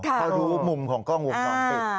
เขาดูมุมของกล้องวงคลอบติด